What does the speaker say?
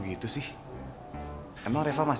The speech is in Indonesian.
ternyata sih gua pengen pacaran